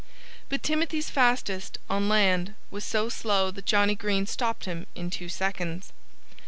But Timothy's fastest, on land, was so slow that Johnnie Green stopped him in two seconds.